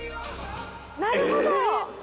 なるほど！